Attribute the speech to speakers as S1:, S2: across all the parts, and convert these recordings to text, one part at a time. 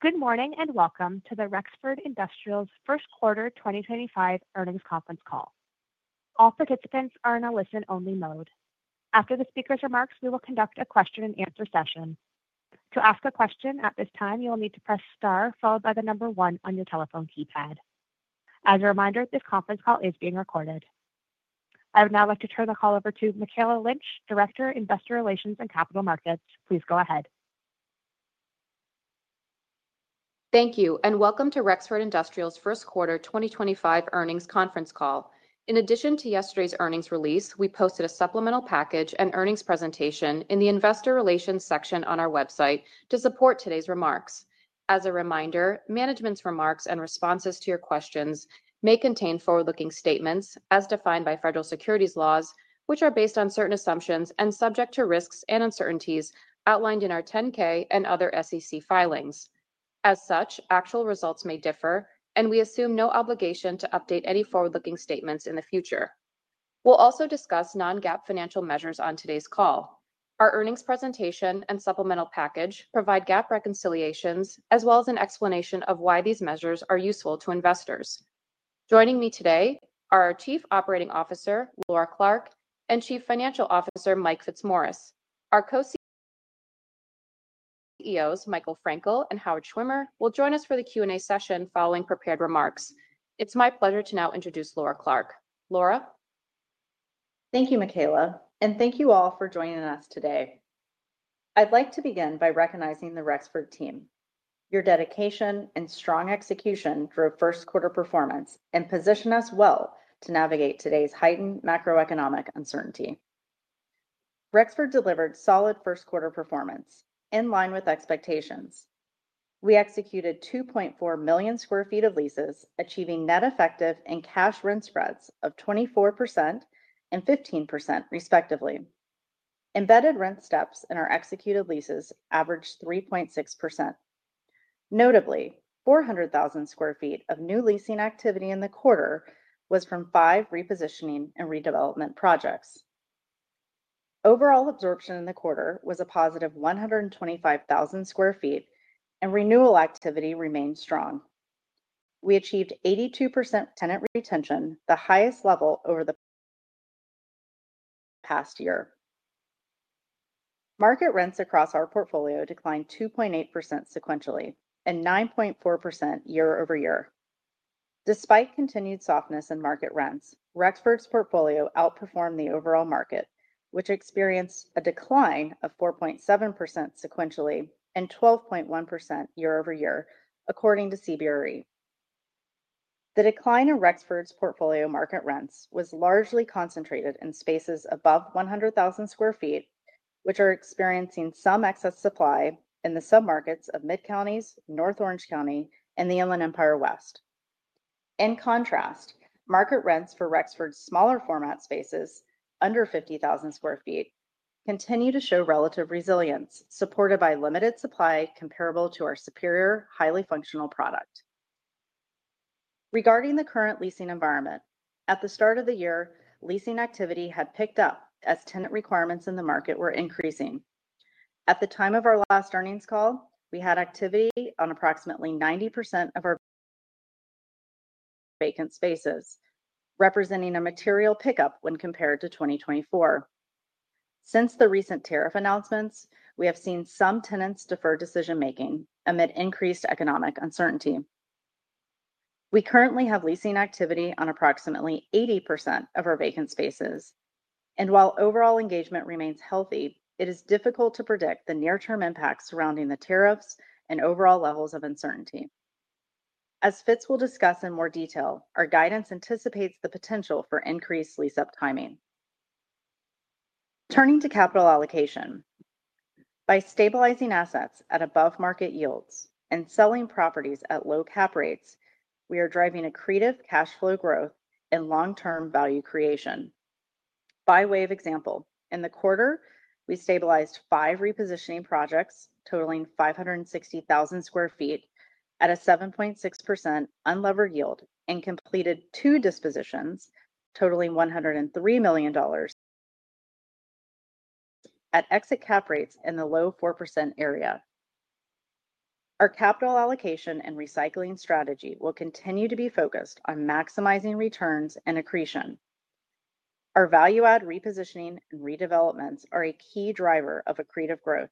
S1: Good morning and welcome to the Rexford Industrial's first quarter 2025 earnings conference call. All participants are in a listen-only mode. After the speaker's remarks, we will conduct a question-and-answer session. To ask a question at this time, you will need to press star followed by the number one on your telephone keypad. As a reminder, this conference call is being recorded. I would now like to turn the call over to Mikayla Lynch, Director, Investor Relations and Capital Markets. Please go ahead.
S2: Thank you, and welcome to Rexford Industrial's first quarter 2025 earnings conference call. In addition to yesterday's earnings release, we posted a supplemental package and earnings presentation in the Investor Relations section on our website to support today's remarks. As a reminder, management's remarks and responses to your questions may contain forward-looking statements as defined by federal securities laws, which are based on certain assumptions and subject to risks and uncertainties outlined in our 10-K and other SEC filings. As such, actual results may differ, and we assume no obligation to update any forward-looking statements in the future. We will also discuss non-GAAP financial measures on today's call. Our earnings presentation and supplemental package provide GAAP reconciliations as well as an explanation of why these measures are useful to investors. Joining me today are our Chief Operating Officer, Laura Clark, and Chief Financial Officer, Mike Fitzmaurice. Our co-CEOs, Michael Frankel and Howard Schwimmer, will join us for the Q&A session following prepared remarks. It's my pleasure to now introduce Laura Clark. Laura.
S3: Thank you, Mikayla, and thank you all for joining us today. I'd like to begin by recognizing the Rexford team. Your dedication and strong execution drove first quarter performance and positioned us well to navigate today's heightened macroeconomic uncertainty. Rexford delivered solid first quarter performance in line with expectations. We executed 2.4 million sq ft of leases, achieving net effective and cash rent spreads of 24% and 15%, respectively. Embedded rent steps in our executed leases averaged 3.6%. Notably, 400,000 sq ft of new leasing activity in the quarter was from five repositioning and redevelopment projects. Overall absorption in the quarter was a positive 125,000 sq ft, and renewal activity remained strong. We achieved 82% tenant retention, the highest level over the past year. Market rents across our portfolio declined 2.8% sequentially and 9.4% year-over-year. Despite continued softness in market rents, Rexford's portfolio outperformed the overall market, which experienced a decline of 4.7% sequentially and 12.1% year-over-year, according to CBRE. The decline in Rexford's portfolio market rents was largely concentrated in spaces above 100,000 sq ft, which are experiencing some excess supply in the submarkets of Mid-Counties, North Orange County, and the Inland Empire West. In contrast, market rents for Rexford's smaller format spaces under 50,000 sq ft continue to show relative resilience, supported by limited supply comparable to our superior highly functional product. Regarding the current leasing environment, at the start of the year, leasing activity had picked up as tenant requirements in the market were increasing. At the time of our last earnings call, we had activity on approximately 90% of our vacant spaces, representing a material pickup when compared to 2024. Since the recent tariff announcements, we have seen some tenants defer decision-making amid increased economic uncertainty. We currently have leasing activity on approximately 80% of our vacant spaces, and while overall engagement remains healthy, it is difficult to predict the near-term impacts surrounding the tariffs and overall levels of uncertainty. As Fitz will discuss in more detail, our guidance anticipates the potential for increased lease-up timing. Turning to capital allocation, by stabilizing assets at above-market yields and selling properties at low cap rates, we are driving accretive cash flow growth and long-term value creation. By way of example, in the quarter, we stabilized five repositioning projects totaling 560,000 sq ft at a 7.6% unlevered yield and completed two dispositions totaling $103 million at exit cap rates in the low 4% area. Our capital allocation and recycling strategy will continue to be focused on maximizing returns and accretion. Our value-add repositioning and redevelopments are a key driver of accretive growth,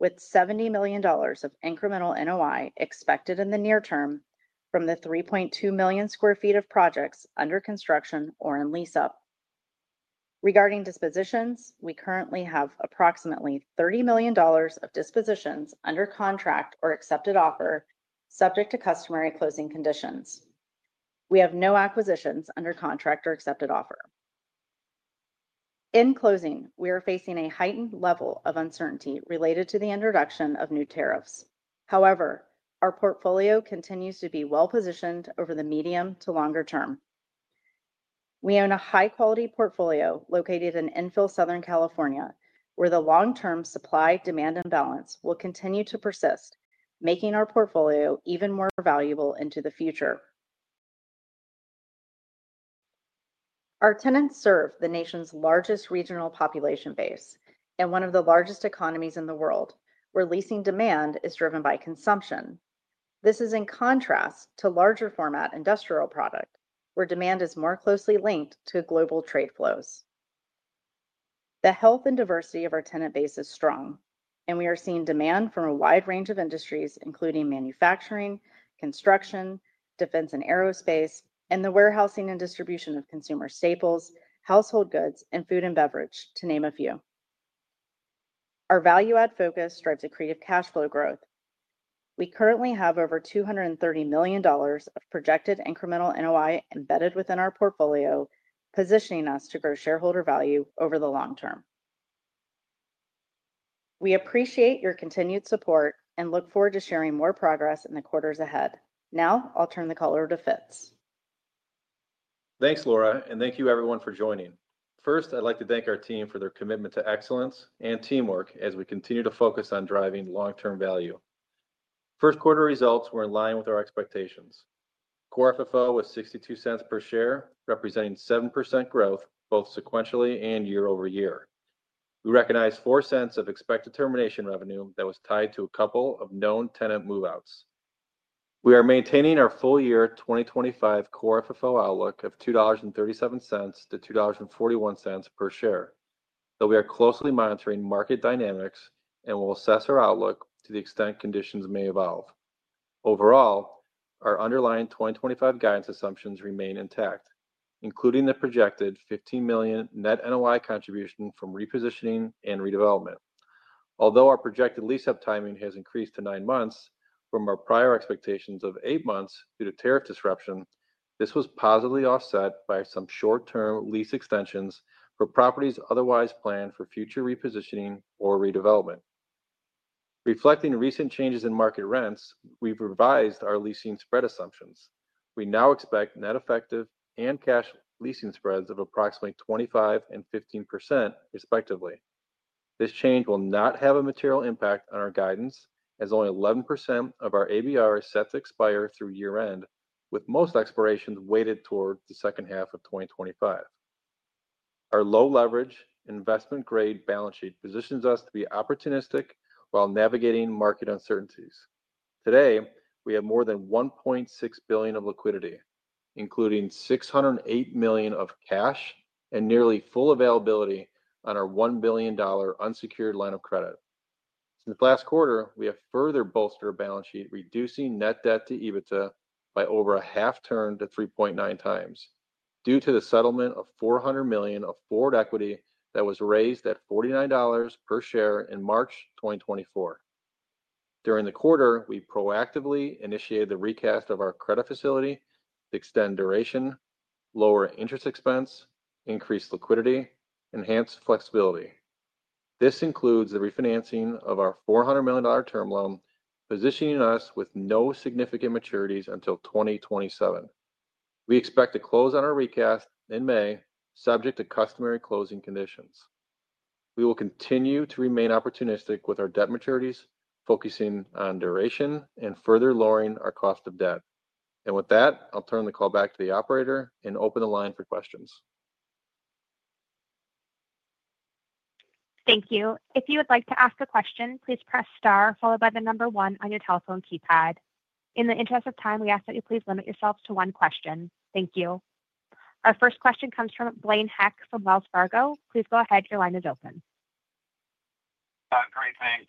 S3: with $70 million of incremental NOI expected in the near term from the 3.2 million sq ft of projects under construction or in lease-up. Regarding dispositions, we currently have approximately $30 million of dispositions under contract or accepted offer, subject to customary closing conditions. We have no acquisitions under contract or accepted offer. In closing, we are facing a heightened level of uncertainty related to the introduction of new tariffs. However, our portfolio continues to be well-positioned over the medium to longer term. We own a high-quality portfolio located in infill Southern California, where the long-term supply-demand imbalance will continue to persist, making our portfolio even more valuable into the future. Our tenants serve the nation's largest regional population base and one of the largest economies in the world, where leasing demand is driven by consumption. This is in contrast to larger format industrial product, where demand is more closely linked to global trade flows. The health and diversity of our tenant base is strong, and we are seeing demand from a wide range of industries, including manufacturing, construction, defense and aerospace, and the warehousing and distribution of consumer staples, household goods, and food and beverage, to name a few. Our value-add focus drives accretive cash flow growth. We currently have over $230 million of projected incremental NOI embedded within our portfolio, positioning us to grow shareholder value over the long term. We appreciate your continued support and look forward to sharing more progress in the quarters ahead. Now I'll turn the call over to Fitz.
S4: Thanks, Laura, and thank you, everyone, for joining. First, I'd like to thank our team for their commitment to excellence and teamwork as we continue to focus on driving long-term value. First quarter results were in line with our expectations. Core FFO was $0.62 per share, representing 7% growth both sequentially and year-over-year. We recognized $0.04 of expected termination revenue that was tied to a couple of known tenant move-outs. We are maintaining our full-year 2025 core FFO outlook of $2.37-$2.41 per share, though we are closely monitoring market dynamics and will assess our outlook to the extent conditions may evolve. Overall, our underlying 2025 guidance assumptions remain intact, including the projected $15 million net NOI contribution from repositioning and redevelopment. Although our projected lease-up timing has increased to nine months from our prior expectations of eight months due to tariff disruption, this was positively offset by some short-term lease extensions for properties otherwise planned for future repositioning or redevelopment. Reflecting recent changes in market rents, we've revised our leasing spread assumptions. We now expect net effective and cash leasing spreads of approximately 25% and 15%, respectively. This change will not have a material impact on our guidance, as only 11% of our ABR is set to expire through year-end, with most expirations weighted toward the second half of 2025. Our low-leverage investment-grade balance sheet positions us to be opportunistic while navigating market uncertainties. Today, we have more than $1.6 billion of liquidity, including $608 million of cash and nearly full availability on our $1 billion unsecured line of credit. Since last quarter, we have further bolstered our balance sheet, reducing net debt to EBITDA by over a half-turn to 3.9x due to the settlement of $400 million of forward equity that was raised at $49 per share in March 2024. During the quarter, we proactively initiated the recast of our credit facility to extend duration, lower interest expense, increase liquidity, and enhance flexibility. This includes the refinancing of our $400 million term loan, positioning us with no significant maturities until 2027. We expect to close on our recast in May, subject to customary closing conditions. We will continue to remain opportunistic with our debt maturities, focusing on duration and further lowering our cost of debt. With that, I'll turn the call back to the operator and open the line for questions.
S1: Thank you. If you would like to ask a question, please press star followed by the number one on your telephone keypad. In the interest of time, we ask that you please limit yourselves to one question. Thank you. Our first question comes from Blaine Heck from Wells Fargo. Please go ahead. Your line is open.
S5: Great. Thanks.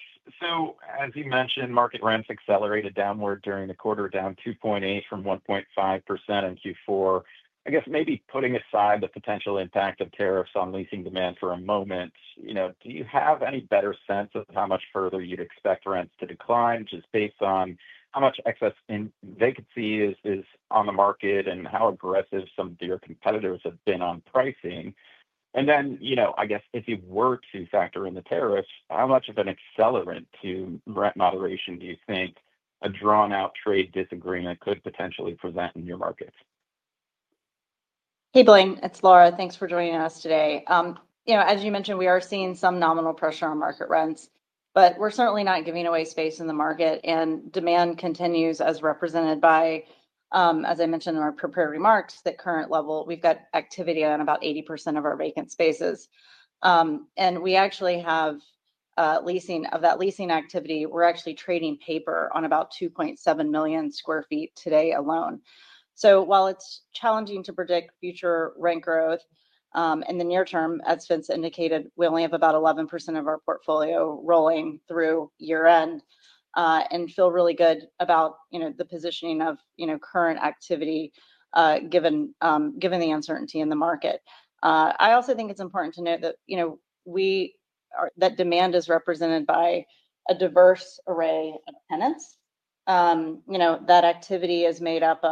S5: As you mentioned, market rents accelerated downward during the quarter, down 2.8% from 1.5% in Q4. I guess maybe putting aside the potential impact of tariffs on leasing demand for a moment, do you have any better sense of how much further you'd expect rents to decline, just based on how much excess vacancy is on the market and how aggressive some of your competitors have been on pricing? I guess, if you were to factor in the tariffs, how much of an accelerant to rent moderation do you think a drawn-out trade disagreement could potentially present in your markets?
S3: Hey, Blaine. It's Laura. Thanks for joining us today. As you mentioned, we are seeing some nominal pressure on market rents, but we're certainly not giving away space in the market, and demand continues, as represented by, as I mentioned in our prepared remarks, that current level, we've got activity on about 80% of our vacant spaces. We actually have, of that leasing activity, we're actually trading paper on about 2.7 million sq ft today alone. While it's challenging to predict future rent growth in the near term, as Fitz indicated, we only have about 11% of our portfolio rolling through year-end and feel really good about the positioning of current activity given the uncertainty in the market. I also think it's important to note that demand is represented by a diverse array of tenants. That activity is made up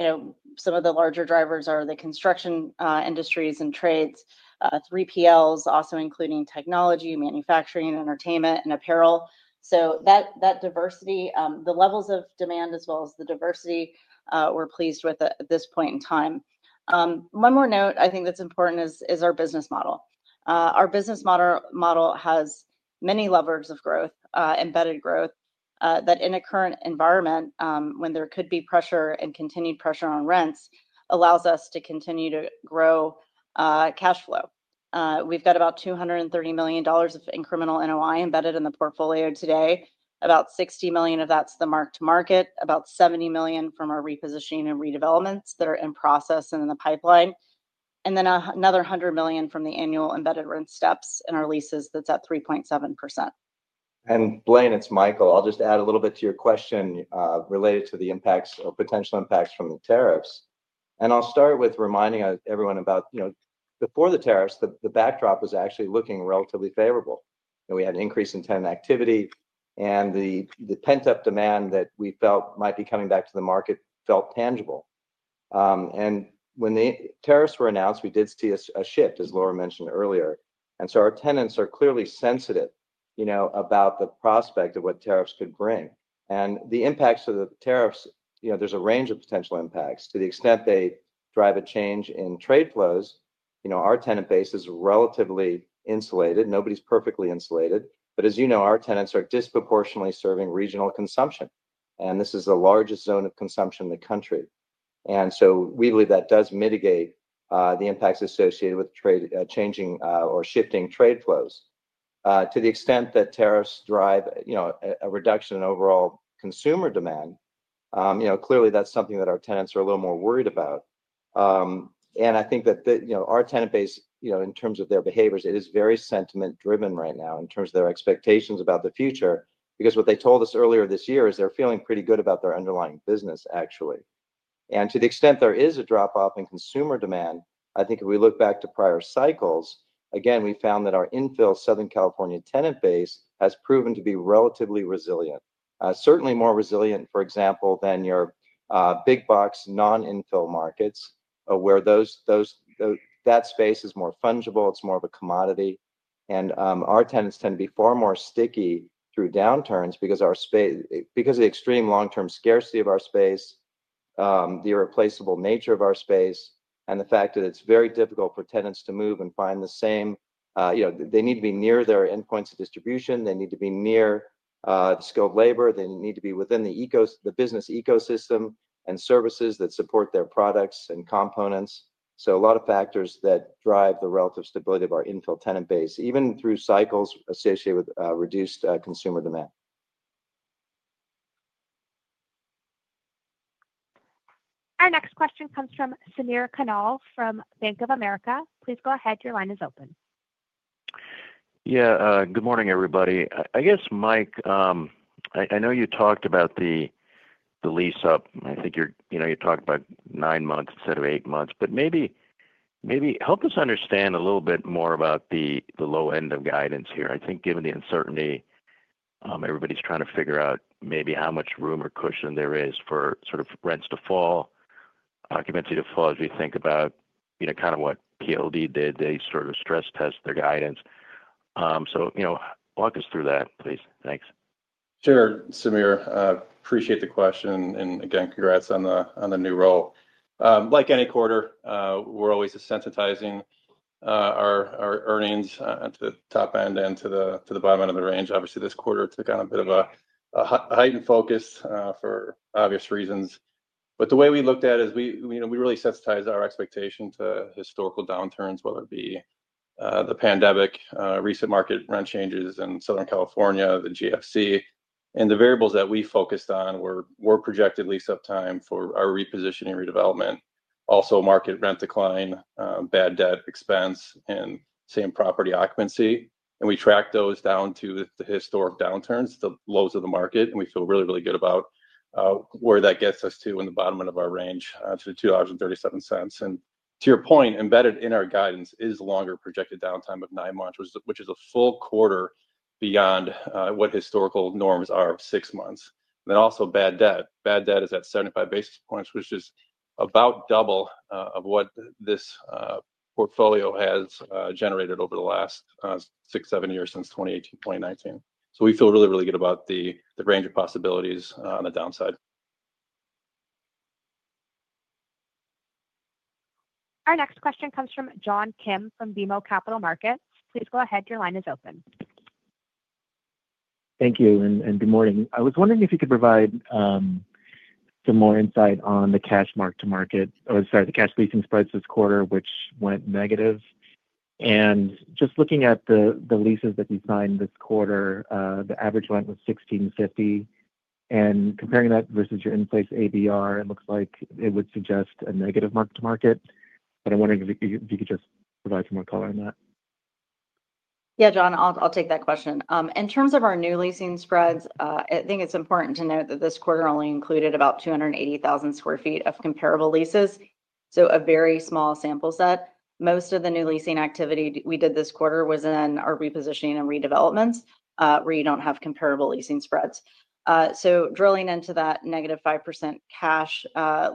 S3: of some of the larger drivers are the construction industries and trades, 3PLs, also including technology, manufacturing, entertainment, and apparel. That diversity, the levels of demand as well as the diversity, we're pleased with at this point in time. One more note I think that's important is our business model. Our business model has many levers of growth, embedded growth, that in a current environment, when there could be pressure and continued pressure on rents, allows us to continue to grow cash flow. We've got about $230 million of incremental NOI embedded in the portfolio today, about $60 million of that's the mark-to-market, about $70 million from our repositioning and redevelopments that are in process and in the pipeline, and then another $100 million from the annual embedded rent steps in our leases that's at 3.7%.
S6: Blaine, it's Michael. I'll just add a little bit to your question related to the impacts or potential impacts from the tariffs. I'll start with reminding everyone about, before the tariffs, the backdrop was actually looking relatively favorable. We had an increase in tenant activity, and the pent-up demand that we felt might be coming back to the market felt tangible. When the tariffs were announced, we did see a shift, as Laura mentioned earlier. Our tenants are clearly sensitive about the prospect of what tariffs could bring. The impacts of the tariffs, there's a range of potential impacts to the extent they drive a change in trade flows. Our tenant base is relatively insulated. Nobody's perfectly insulated. As you know, our tenants are disproportionately serving regional consumption, and this is the largest zone of consumption in the country. We believe that does mitigate the impacts associated with changing or shifting trade flows to the extent that tariffs drive a reduction in overall consumer demand. Clearly, that's something that our tenants are a little more worried about. I think that our tenant base, in terms of their behaviors, it is very sentiment-driven right now in terms of their expectations about the future, because what they told us earlier this year is they're feeling pretty good about their underlying business, actually. To the extent there is a drop-off in consumer demand, I think if we look back to prior cycles, again, we found that our infill Southern California tenant base has proven to be relatively resilient, certainly more resilient, for example, than your big box non-infill markets, where that space is more fungible. It's more of a commodity. Our tenants tend to be far more sticky through downturns because of the extreme long-term scarcity of our space, the irreplaceable nature of our space, and the fact that it's very difficult for tenants to move and find the same. They need to be near their endpoints of distribution. They need to be near the skilled labor. They need to be within the business ecosystem and services that support their products and components. A lot of factors drive the relative stability of our infill tenant base, even through cycles associated with reduced consumer demand.
S1: Our next question comes from Samir Khanal from Bank of America. Please go ahead. Your line is open.
S7: Yeah. Good morning, everybody. I guess, Mike, I know you talked about the lease-up. I think you talked about nine months instead of eight months. Maybe help us understand a little bit more about the low end of guidance here. I think given the uncertainty, everybody's trying to figure out maybe how much room or cushion there is for sort of rents to fall, occupancy to fall as we think about kind of what PLD did. They sort of stress-test their guidance. Walk us through that, please. Thanks.
S4: Sure, Samir. Appreciate the question. Again, congrats on the new role. Like any quarter, we're always sensitizing our earnings at the top end and to the bottom end of the range. Obviously, this quarter took on a bit of a heightened focus for obvious reasons. The way we looked at it is we really sensitized our expectation to historical downturns, whether it be the pandemic, recent market rent changes in Southern California, the GFC. The variables that we focused on were projected lease-up time for our repositioning and redevelopment, also market rent decline, bad debt expense, and same property occupancy. We tracked those down to the historic downturns, the lows of the market, and we feel really, really good about where that gets us to in the bottom end of our range to $2.37. To your point, embedded in our guidance is longer projected downtime of nine months, which is a full quarter beyond what historical norms are of six months. Also, bad debt is at 75 basis points, which is about double of what this portfolio has generated over the last six, seven years since 2018, 2019. We feel really, really good about the range of possibilities on the downside.
S1: Our next question comes from John Kim from BMO Capital Markets. Please go ahead. Your line is open.
S8: Thank you. Good morning. I was wondering if you could provide some more insight on the cash mark to market, or sorry, the cash leasing spreads this quarter, which went negative. Just looking at the leases that you signed this quarter, the average rent was $16.50. Comparing that versus your in-place ABR, it looks like it would suggest a negative mark to market. I am wondering if you could just provide some more color on that.
S3: Yeah, John, I'll take that question. In terms of our new leasing spreads, I think it's important to note that this quarter only included about 280,000 sq ft of comparable leases, so a very small sample set. Most of the new leasing activity we did this quarter was in our repositioning and redevelopments where you don't have comparable leasing spreads. Drilling into that negative 5% cash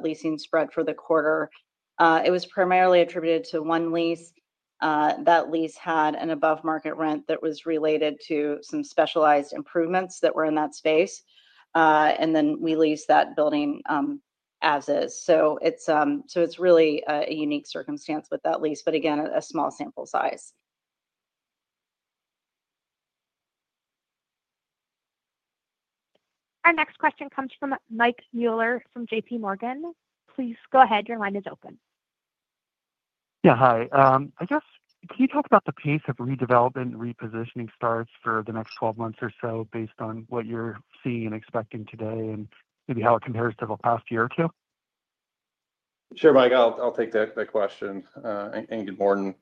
S3: leasing spread for the quarter, it was primarily attributed to one lease. That lease had an above-market rent that was related to some specialized improvements that were in that space. We leased that building as is. It's really a unique circumstance with that lease, but again, a small sample size.
S1: Our next question comes from Mike Mueller from JP Morgan. Please go ahead. Your line is open. Yeah, hi. I guess, can you talk about the pace of redevelopment and repositioning starts for the next 12 months or so based on what you're seeing and expecting today and maybe how it compares to the past year or two?
S4: Sure, Mike. I'll take that question. Good morning.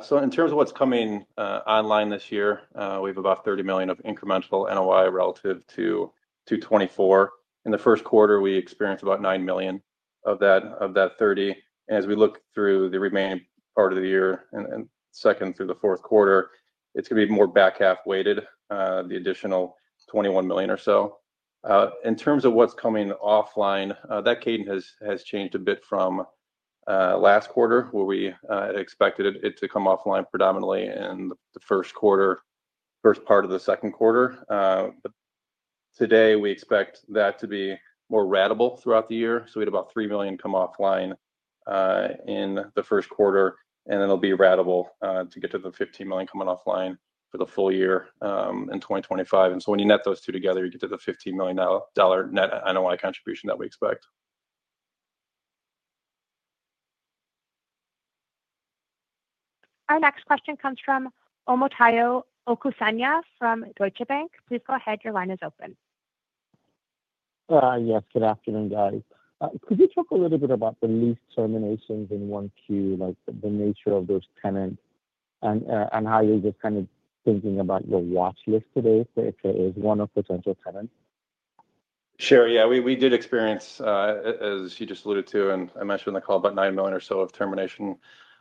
S4: In terms of what's coming online this year, we have about $30 million of incremental NOI relative to 2024. In the first quarter, we experienced about $9 million of that $30 million. As we look through the remaining part of the year, and second through the fourth quarter, it's going to be more back half weighted, the additional $21 million or so. In terms of what's coming offline, that cadence has changed a bit from last quarter, where we had expected it to come offline predominantly in the first quarter, first part of the second quarter. Today, we expect that to be more ratable throughout the year. We had about $3 million come offline in the first quarter, and then it'll be ratable to get to the $15 million coming offline for the full year in 2025. When you net those two together, you get to the $15 million net NOI contribution that we expect.
S1: Our next question comes from Omotayo Okusanya from Deutsche Bank. Please go ahead. Your line is open.
S9: Yes. Good afternoon, guys. Could you talk a little bit about the lease terminations in Q1, like the nature of those tenants and how you're just kind of thinking about your watchlist today if there is one of potential tenants?
S4: Sure. Yeah. We did experience, as you just alluded to and I mentioned in the call, about $9 million or so of termination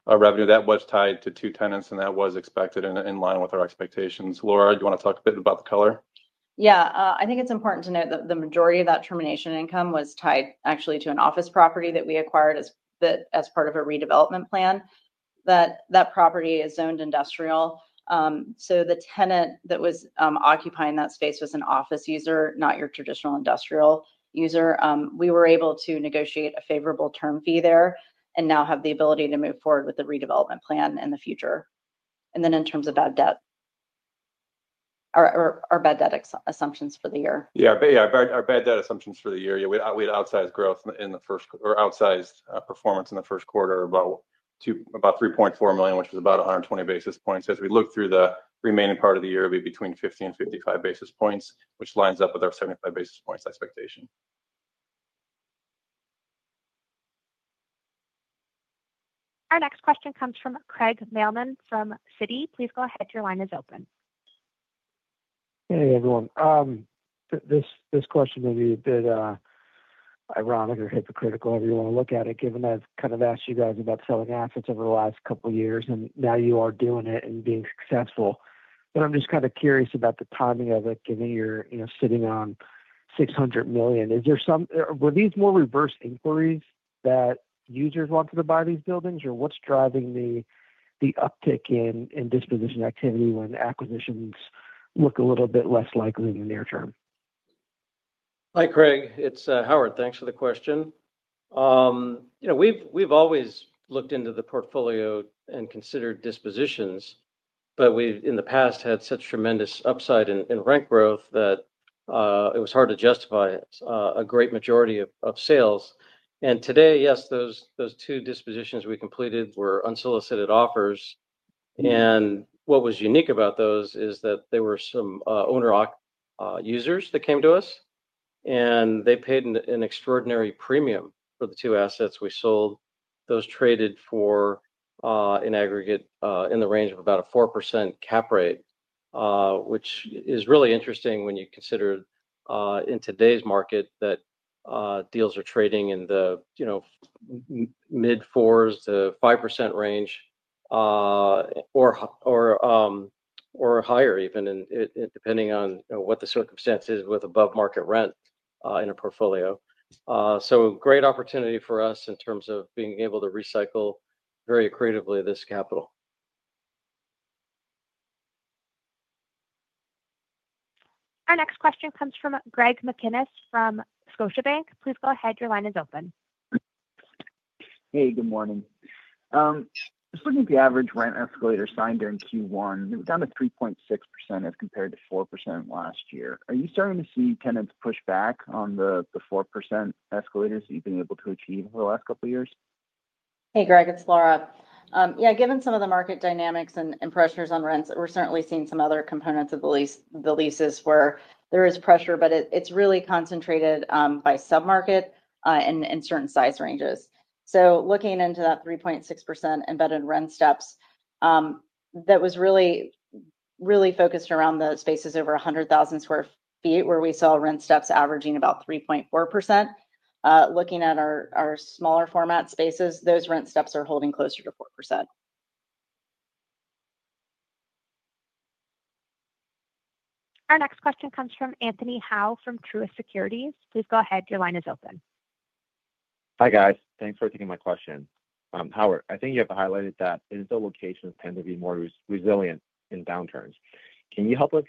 S4: revenue. That was tied to two tenants, and that was expected in line with our expectations. Laura, do you want to talk a bit about the color?
S3: Yeah. I think it's important to note that the majority of that termination income was tied actually to an office property that we acquired as part of a redevelopment plan. That property is zoned industrial. The tenant that was occupying that space was an office user, not your traditional industrial user. We were able to negotiate a favorable term fee there and now have the ability to move forward with the redevelopment plan in the future. In terms of bad debt, our bad debt assumptions for the year.
S4: Yeah. Yeah. Our bad debt assumptions for the year, we had outsized growth in the first or outsized performance in the first quarter of about $3.4 million, which was about 120 basis points. As we look through the remaining part of the year, it'll be between 50 basis points-55 basis points, which lines up with our 75 basis points expectation.
S1: Our next question comes from Craig Mailman from Citi. Please go ahead. Your line is open.
S10: Hey, everyone. This question may be a bit ironic or hypocritical, however you want to look at it, given I've kind of asked you guys about selling assets over the last couple of years, and now you are doing it and being successful. I'm just kind of curious about the timing of it, given you're sitting on $600 million. Were these more reverse inquiries that users wanted to buy these buildings, or what's driving the uptick in disposition activity when acquisitions look a little bit less likely in the near term?
S11: Hi, Craig. It's Howard. Thanks for the question. We've always looked into the portfolio and considered dispositions, but we've, in the past, had such tremendous upside in rent growth that it was hard to justify a great majority of sales. Today, yes, those two dispositions we completed were unsolicited offers. What was unique about those is that there were some owner users that came to us, and they paid an extraordinary premium for the two assets we sold. Those traded in aggregate in the range of about a 4% cap rate, which is really interesting when you consider in today's market that deals are trading in the mid-4% to 5% range or higher even, depending on what the circumstance is with above-market rent in a portfolio. Great opportunity for us in terms of being able to recycle very creatively this capital.
S1: Our next question comes from Greg McGinniss from Scotiabank. Please go ahead. Your line is open.
S12: Hey, good morning. Just looking at the average rent escalator signed during Q1, it was down to 3.6% as compared to 4% last year. Are you starting to see tenants push back on the 4% escalators that you've been able to achieve over the last couple of years?
S3: Hey, Greg. It's Laura. Yeah, given some of the market dynamics and pressures on rents, we're certainly seeing some other components of the leases where there is pressure, but it's really concentrated by submarket and certain size ranges. Looking into that 3.6% embedded rent steps, that was really, really focused around the spaces over 100,000 sq ft, where we saw rent steps averaging about 3.4%. Looking at our smaller format spaces, those rent steps are holding closer to 4%.
S1: Our next question comes from Anthony Hau from Truist Securities. Please go ahead. Your line is open.
S13: Hi, guys. Thanks for taking my question. Howard, I think you have highlighted that infill locations tend to be more resilient in downturns. Can you help us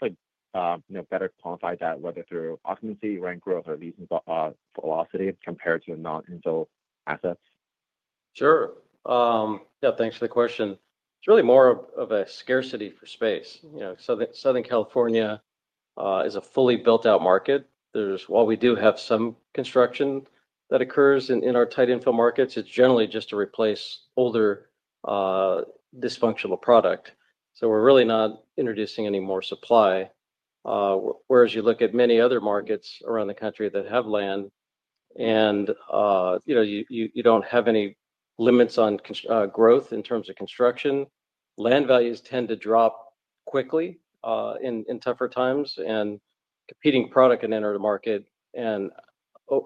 S13: better quantify that, whether through occupancy, rent growth, or leasing velocity compared to non-infill assets?
S11: Sure. Yeah. Thanks for the question. It's really more of a scarcity for space. Southern California is a fully built-out market. While we do have some construction that occurs in our tight infill markets, it's generally just to replace older dysfunctional product. We're really not introducing any more supply. Whereas you look at many other markets around the country that have land and you don't have any limits on growth in terms of construction, land values tend to drop quickly in tougher times, and competing product can enter the market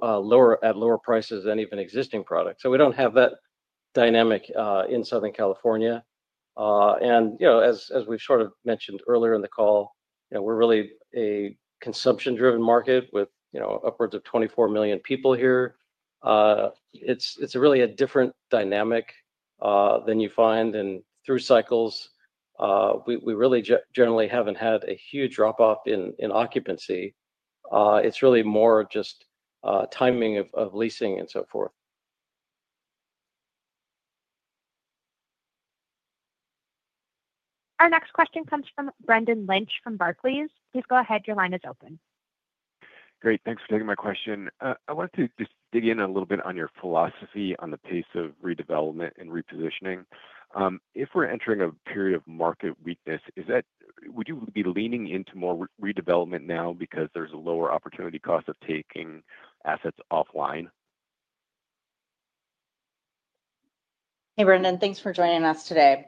S11: at lower prices than even existing products. We don't have that dynamic in Southern California. As we've sort of mentioned earlier in the call, we're really a consumption-driven market with upwards of 24 million people here. It's really a different dynamic than you find in through cycles. We really generally haven't had a huge drop-off in occupancy. It's really more just timing of leasing and so forth.
S1: Our next question comes from Brendan Lynch from Barclays. Please go ahead. Your line is open.
S14: Great. Thanks for taking my question. I wanted to just dig in a little bit on your philosophy on the pace of redevelopment and repositioning. If we're entering a period of market weakness, would you be leaning into more redevelopment now because there's a lower opportunity cost of taking assets offline?
S3: Hey, Brendan. Thanks for joining us today.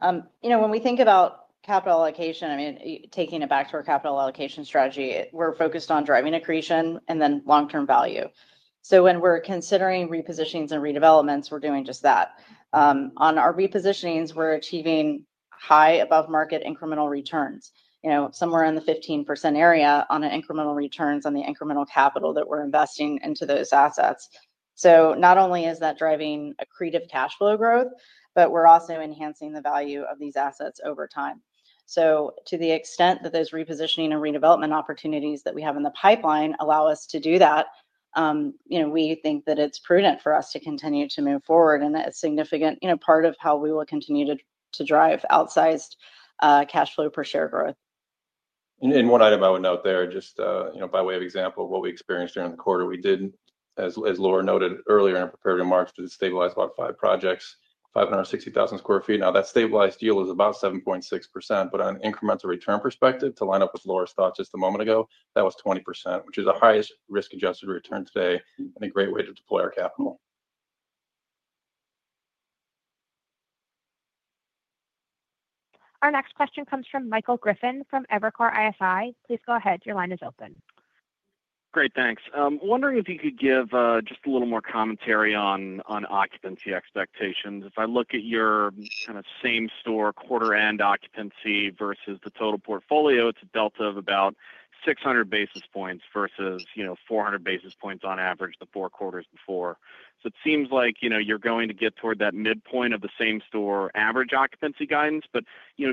S3: When we think about capital allocation, I mean, taking it back to our capital allocation strategy, we're focused on driving accretion and then long-term value. When we're considering repositionings and redevelopments, we're doing just that. On our repositionings, we're achieving high above-market incremental returns, somewhere in the 15% area on incremental returns on the incremental capital that we're investing into those assets. Not only is that driving accretive cash flow growth, but we're also enhancing the value of these assets over time. To the extent that those repositioning and redevelopment opportunities that we have in the pipeline allow us to do that, we think that it's prudent for us to continue to move forward, and that's a significant part of how we will continue to drive outsized cash flow per share growth.
S4: One item I would note there, just by way of example, what we experienced during the quarter, we did, as Laura noted earlier in her preparatory marks, stabilize about five projects, 560,000 sq ft. Now, that stabilized deal was about 7.6%. But on an incremental return perspective, to line up with Laura's thought just a moment ago, that was 20%, which is a highest risk-adjusted return today and a great way to deploy our capital.
S1: Our next question comes from Michael Griffin from Evercore ISI. Please go ahead. Your line is open.
S15: Great. Thanks. Wondering if you could give just a little more commentary on occupancy expectations. If I look at your kind of same-store quarter-end occupancy versus the total portfolio, it's a delta of about 600 basis points versus 400 basis points on average the four quarters before. It seems like you're going to get toward that midpoint of the same-store average occupancy guidance.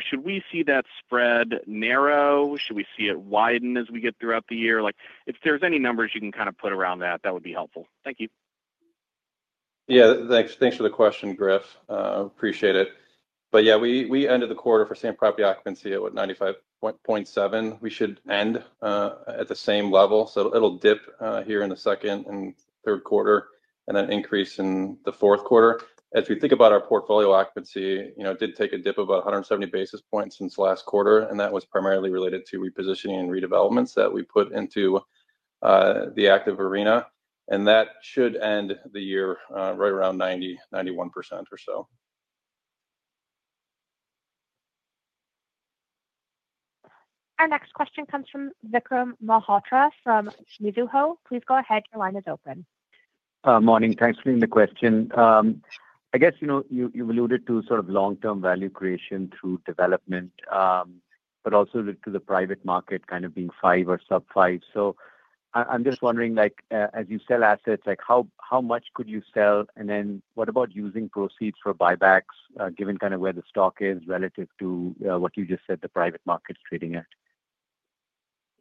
S15: Should we see that spread narrow? Should we see it widen as we get throughout the year? If there's any numbers you can kind of put around that, that would be helpful. Thank you.
S4: Yeah. Thanks for the question, Griff. Appreciate it. Yeah, we ended the quarter for same-property occupancy at, what, 95.7%? We should end at the same level. It will dip here in the second and third quarter and then increase in the fourth quarter. As we think about our portfolio occupancy, it did take a dip of about 170 basis points since last quarter, and that was primarily related to repositioning and redevelopments that we put into the active arena. That should end the year right around 90-91% or so.
S1: Our next question comes from Vikram Malhotra from Mizuho. Please go ahead. Your line is open.
S16: Morning. Thanks for the question. I guess you've alluded to sort of long-term value creation through development, but also to the private market kind of being five or sub-five. I'm just wondering, as you sell assets, how much could you sell? What about using proceeds for buybacks, given kind of where the stock is relative to what you just said the private market's trading at?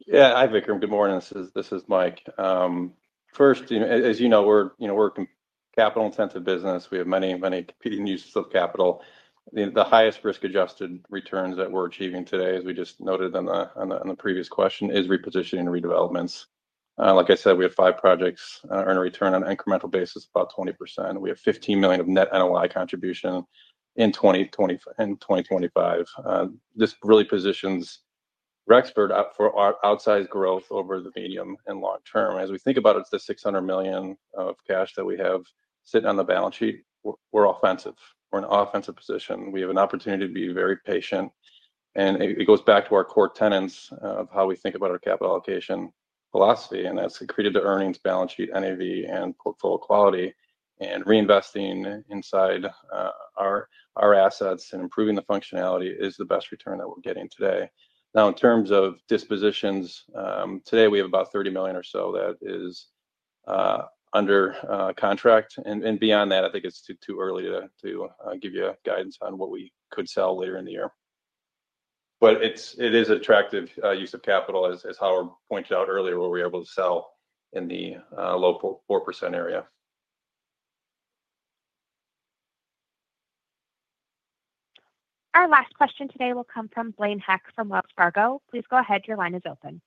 S4: Yeah. Hi, Vikram. Good morning. This is Mike. First, as you know, we're a capital-intensive business. We have many, many competing uses of capital. The highest risk-adjusted returns that we're achieving today, as we just noted on the previous question, is repositioning and redevelopments. Like I said, we have five projects earn a return on an incremental basis of about 20%. We have $15 million of net NOI contribution in 2025. This really positions Rexford up for outsized growth over the medium and long term. As we think about it, it's the $600 million of cash that we have sitting on the balance sheet. We're offensive. We're in an offensive position. We have an opportunity to be very patient. It goes back to our core tenants of how we think about our capital allocation philosophy. That's accretive to earnings, balance sheet, NAV, and portfolio quality. Reinvesting inside our assets and improving the functionality is the best return that we're getting today. Now, in terms of dispositions, today, we have about $30 million or so that is under contract. Beyond that, I think it's too early to give you guidance on what we could sell later in the year. It is an attractive use of capital, as Howard pointed out earlier, where we're able to sell in the low 4% area.
S1: Our last question today will come from Blaine Heck from Wells Fargo. Please go ahead. Your line is open.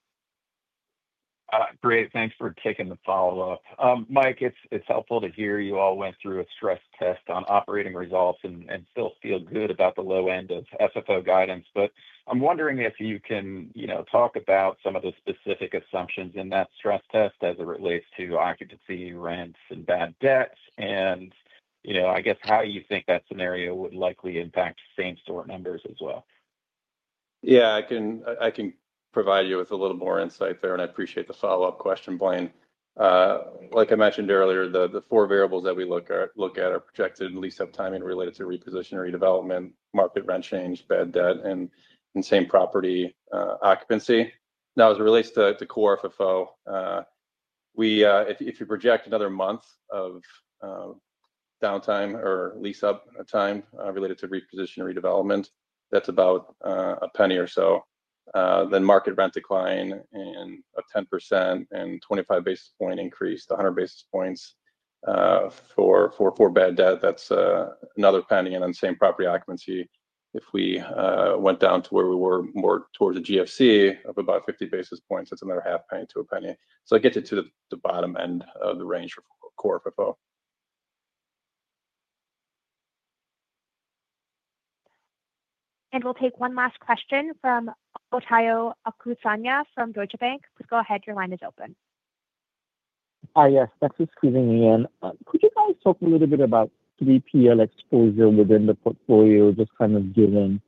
S5: Great. Thanks for taking the follow-up. Mike, it's helpful to hear you all went through a stress test on operating results and still feel good about the low end of FFO guidance. I am wondering if you can talk about some of the specific assumptions in that stress test as it relates to occupancy, rents, and bad debt, and I guess how you think that scenario would likely impact same-store numbers as well.
S4: Yeah. I can provide you with a little more insight there, and I appreciate the follow-up question, Blaine. Like I mentioned earlier, the four variables that we look at are projected and lease-up timing related to repositioning, redevelopment, market rent change, bad debt, and same-property occupancy. Now, as it relates to core FFO, if you project another month of downtime or lease-up time related to repositioning, redevelopment, that's about a penny or so. Market rent decline and a 10% and 25 basis point increase, the 100 basis points for bad debt, that's another penny. Same-property occupancy, if we went down to where we were more towards the GFC of about 50 basis points, that's another half penny to a penny. I get you to the bottom end of the range for core FFO.
S1: We will take one last question from Omotayo Okusanya from Deutsche Bank. Please go ahead. Your line is open.
S9: Hi, yes. Thanks for squeezing me in. Could you guys talk a little bit about 3PL exposure within the portfolio, just kind of given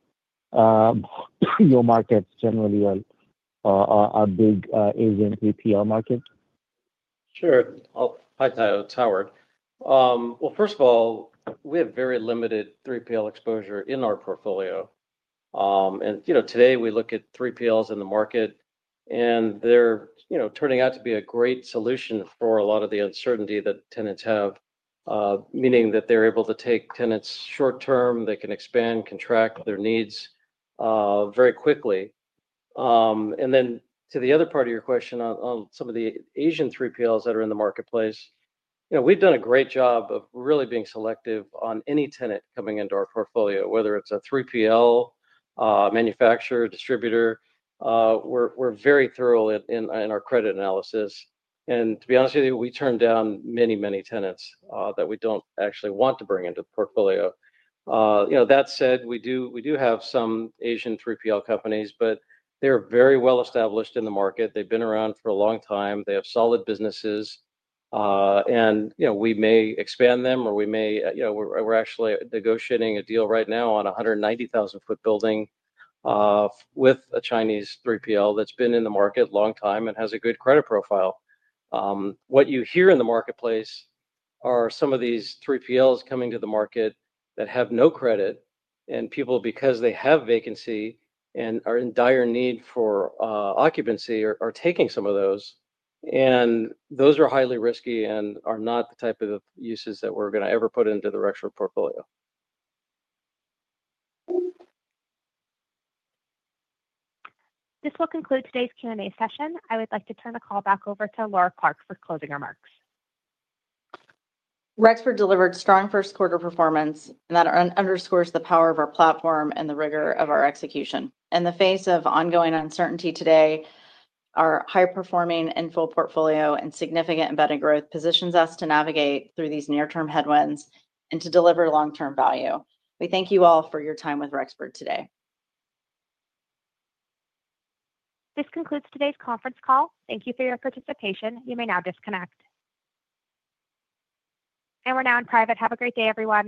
S9: your markets generally are a big Asian 3PL market?
S11: Sure. Hi, Tayo, Howard. First of all, we have very limited 3PL exposure in our portfolio. Today, we look at 3PLs in the market, and they're turning out to be a great solution for a lot of the uncertainty that tenants have, meaning that they're able to take tenants short-term. They can expand, contract their needs very quickly. To the other part of your question on some of the Asian 3PLs that are in the marketplace, we've done a great job of really being selective on any tenant coming into our portfolio, whether it's a 3PL, manufacturer, distributor. We're very thorough in our credit analysis. To be honest with you, we turn down many, many tenants that we don't actually want to bring into the portfolio. That said, we do have some Asian 3PL companies, but they're very well established in the market. They've been around for a long time. They have solid businesses. We may expand them, or we're actually negotiating a deal right now on a 190,000 sq ft building with a Chinese 3PL that's been in the market a long time and has a good credit profile. What you hear in the marketplace are some of these 3PLs coming to the market that have no credit, and people, because they have vacancy and are in dire need for occupancy, are taking some of those. Those are highly risky and are not the type of uses that we're going to ever put into the Rexford portfolio.
S1: This will conclude today's Q&A session. I would like to turn the call back over to Laura Clark for closing remarks.
S3: Rexford delivered strong first-quarter performance, and that underscores the power of our platform and the rigor of our execution. In the face of ongoing uncertainty today, our high-performing infill portfolio and significant embedded growth positions us to navigate through these near-term headwinds and to deliver long-term value. We thank you all for your time with Rexford today.
S1: This concludes today's conference call. Thank you for your participation. You may now disconnect. We're now in private. Have a great day, everyone.